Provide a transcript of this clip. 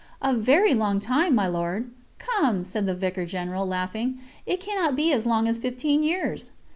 "A very long time, my Lord!" "Come!" said the Vicar General, laughing, "it cannot be as long as fifteen years."